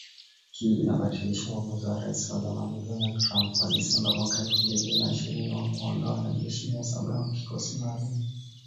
Hii inabatilisha uamuzi wa Rais wa zamani Donald Trump wa Disemba mwaka elfu mbili na ishirini wa kuwaondoa wanajeshi mia saba wa kikosi maalum.